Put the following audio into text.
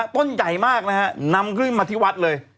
ต้นใหญ่มากนะฮะนำขึ้นมาที่วัดเลย